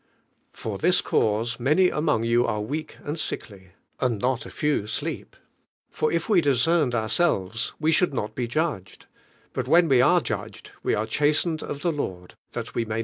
Fur this c!iii*L' many among you lire wenk and sickly, and not a few sleep. For If we dis cerned ourselves, we ylumltf not l>r Judged. ISnr when we are Judged, we are chastened of the lOtd, l]KLl Hf MUM 11.